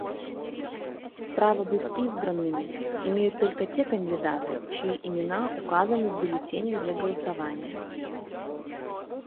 Право быть избранными имеют только те кандидаты, чьи имена указаны в бюллетенях для голосования.